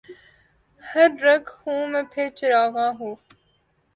ہر رگ خوں میں پھر چراغاں ہو